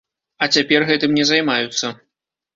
А цяпер гэтым не займаюцца.